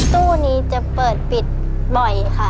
ตู้นี้จะเปิดปิดบ่อยค่ะ